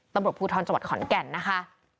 ตำรวจภูทรจังหวัดขอนแก่นนะคะ